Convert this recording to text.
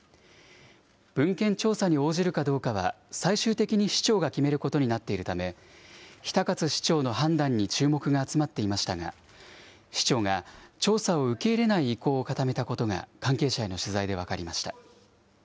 文献調査に応じるかどうかは、最終的に市長が決めることになっているため、比田勝市長の判断に注目が集まっていましたが、市長が調査を受け入れない意向を固めたことが、関係者への取材で分かりました。